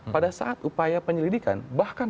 pada saat upaya penyelidikan bahkan